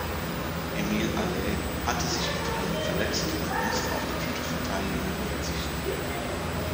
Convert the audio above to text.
Émile Allais hatte sich im Training verletzt und musste auf die Titelverteidigung verzichten.